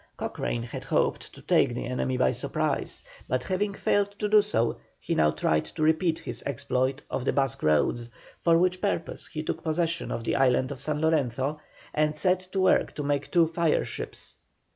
Cochrane had hoped to take the enemy by surprise, but having failed to do so he now tried to repeat his exploit of the Basque Roads, for which purpose he took possession of the island of San Lorenzo, and set to work to make two fire ships.